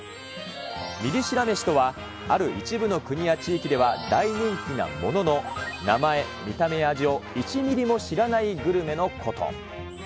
ミリ知ら飯とは、ある一部の国や地域では大人気なものの、名前、見た目や味を１ミリも知らないグルメのこと。